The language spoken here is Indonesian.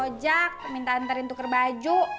bang ojak minta ntarin tuker baju